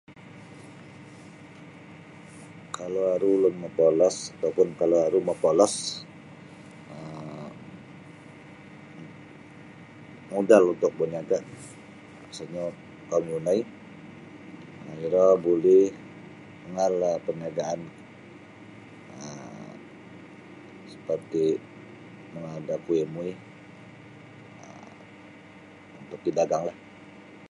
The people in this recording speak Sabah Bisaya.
Kalau aru ulun mapolos atau pun kalau aru mapa olos um modal untuk baniaga khususnya kaum yunai iro buli mangaal da perniagaan seperti mangaal da kuih muih untuk idaganglah.